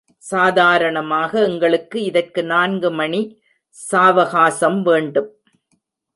சாதாரணமாக எங்களுக்கு இதற்கு நான்கு மணி சாவகாசம் வேண்டும்.